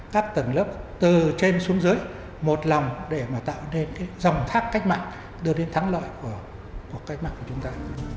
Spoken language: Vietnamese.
các tầng lớp từ trên xuống dưới một lòng để mà tạo nên cái dòng thác cách mạng đưa đến thắng lợi của cách mạng của chúng ta